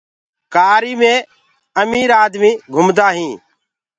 ڪآري مي امير آدمي گُمدآ هينٚ۔